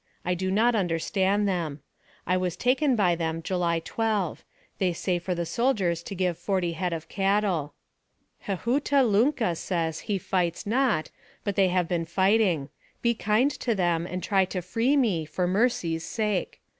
I do not understand them. I was taken by them July 12. They say for the soldiers to give forty head of cattle. " Hehutalunca says he fights not, but they have been fighting. Be kind to them, and try to free me, for mercy's sake.